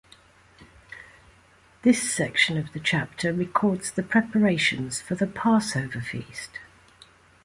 This section of the chapter records the preparations for the Passover feast.